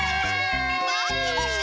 まってました！